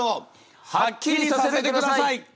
はっきりさせてください！